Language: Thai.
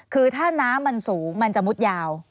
คือถ้าน้ำมันสูงมันจะมุดยาว